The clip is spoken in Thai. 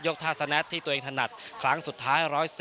ท่าสแนทที่ตัวเองถนัดครั้งสุดท้าย๑๔๐